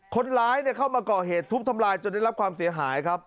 คนร้ายเข้ามาก่อเหตุทุบทำลายจนได้รับความเสียหายครับ